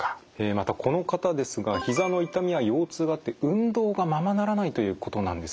またこの方ですがひざの痛みや腰痛があって運動がままならないということなんですよね。